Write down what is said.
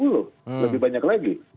lebih banyak lagi